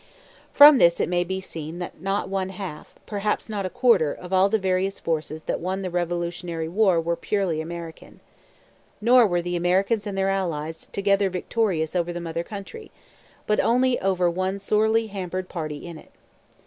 From this it may be seen that not one half, perhaps not a quarter, of all the various forces that won the Revolutionary war were purely American. Nor were the Americans and their allies together victorious over the mother country, but only over one sorely hampered party in it.